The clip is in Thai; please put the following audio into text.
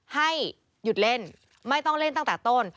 ให้หยุดเล่นไม่ต้องเล่นตั้งแต่ต้น